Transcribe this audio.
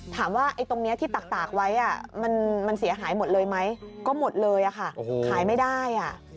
ถามว่าตรงนี้ที่ตากไว้มันเสียหายหมดเลยไหมก็หมดเลยอะค่ะขายไม่ได้